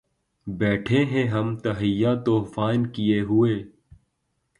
بیٹهے ہیں ہم تہیّہ طوفاں کئے ہوئے